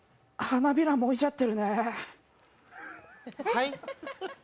花びら、もいじゃってる。